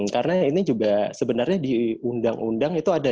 karena ini juga sebenarnya di undang undang itu ada